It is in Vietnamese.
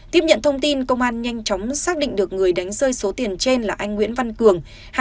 tiếp nhận thông tin công an nhanh chóng xác định được người đánh rơi số tiền trên là anh nguyễn văn cường